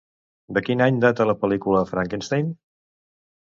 De quin any data la pel·lícula Frankenstein?